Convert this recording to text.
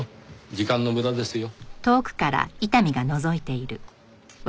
時間の無駄ですよ。